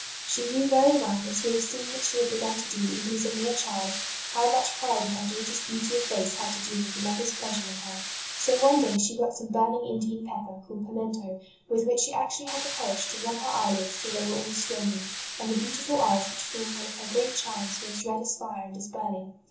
She knew very well, as we have seen that she had begun to do even as a mere child, how much pride in her daughter s beauty of face had to do with the mother s pleasure in her ; so one day she got some burning Indian pepper, called pimento, with which she actually had the courage to rub her eyelids till they \vere all swollen, and the beautiful eyes which formed one of her great charms were as red as fire and as burning.